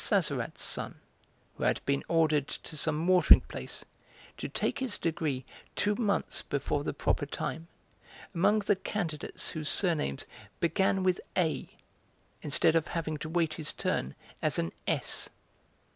Sazerat's son, who had been ordered to some watering place, to take his degree two months before the proper time, among the candidates whose surnames began with 'A,' instead of having to wait his turn as an 'S.'